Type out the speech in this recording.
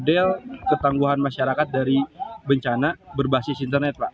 model ketangguhan masyarakat dari bencana berbasis internet pak